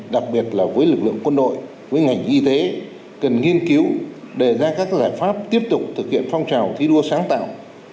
đặc biệt là với lực lượng quân đội với ngành y tế cần nghiên cứu đề ra các giải pháp tiếp tục thực hiện phong trào thi đua sáng tạo